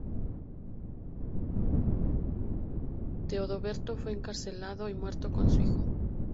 Teodeberto fue encarcelado y muerto con su hijo.